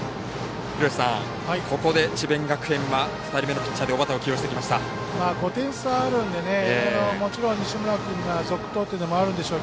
ここで智弁学園は２人目のピッチャーで小畠を起用してきました。